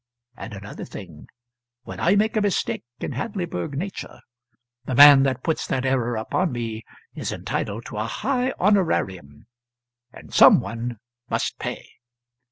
And another thing, when I make a mistake in Hadleyburg nature the man that puts that error upon me is entitled to a high honorarium, and some one must pay.